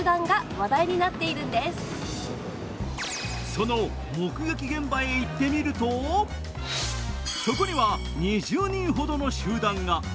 その目撃現場へ行ってみるとそこには２０人ほどの集団が。